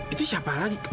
itu siapa lagi